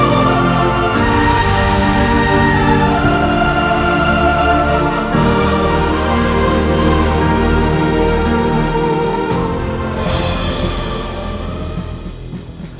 dan ayah anda akan menjadikan tabib untukmu